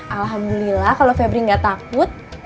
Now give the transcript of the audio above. alhamdulillah kalau febri gak takut